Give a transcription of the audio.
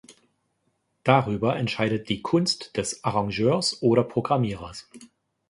Darüber entscheidet die "Kunst" des Arrangeurs oder Programmierers.